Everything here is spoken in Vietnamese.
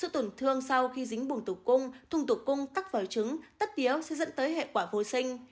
thường sau khi dính bùng tủ cung thùng tủ cung tắc vào trứng tất yếu sẽ dẫn tới hệ quả vô sinh